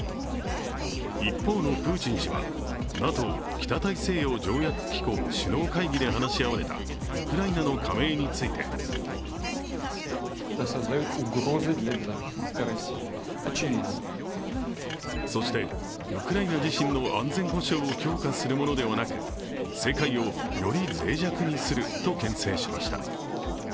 一方のプーチン氏は、ＮＡＴＯ＝北大西洋条約機構首脳会議で話し合われたウクライナの加盟についてそしてウクライナ自身の安全保障を強化するものではなく世界をより脆弱にするとけん制しました。